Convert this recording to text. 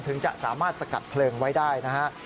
ถึงจะสามารถสกัดเพลิงไว้ได้นะฮะ